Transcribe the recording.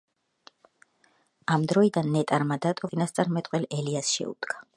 ამ დროიდან ნეტარმა დატოვა სამხედრო სამსახური და წინასწარმეტყველ ელიას შეუდგა.